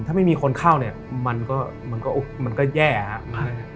ถ้าไม่มีคนเข้าเนี่ยมันก็แย่อะ